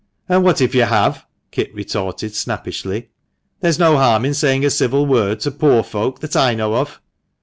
" And what if you have ?" Kit retorted, snappishly. " There's no harm in saying a civil word to poor folk that I know off."